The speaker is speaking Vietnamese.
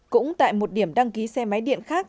cũng tại một điểm đăng ký xe máy điện khác